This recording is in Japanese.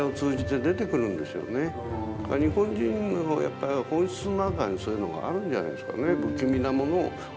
日本人のやっぱり本質の中にそういうのがあるんじゃないですかね。